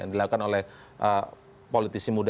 yang dilakukan oleh politisi muda